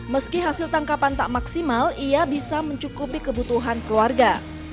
meski hasil tangkapan tak maksimal ia bisa mencukupi kebutuhan keluarga